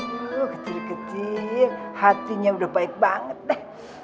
aduh kecil kecil hatinya udah baik banget deh